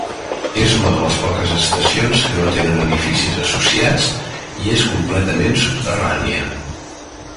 És una de les poques estacions que no tenen edificis associats i és completament subterrània.